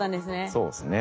そうですね。